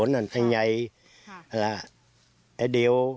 ดับเยี่ยม